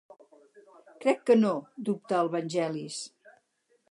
Crec que no —dubta el Vangelis—.